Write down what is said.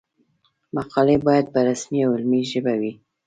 مقالې باید په رسمي او علمي ژبه وي.